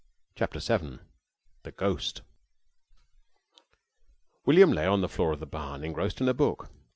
CHAPTER VII THE GHOST William lay on the floor of the barn, engrossed in a book.